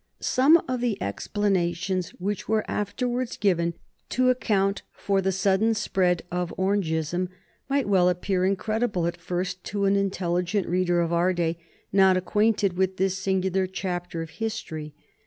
Some of the explanations which were afterwards given to account for the sudden spread of Orangeism might well appear incredible at first to an intelligent reader of our day not acquainted with this singular chapter of history.